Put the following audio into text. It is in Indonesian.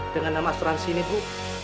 dengan nama asuransi ini bu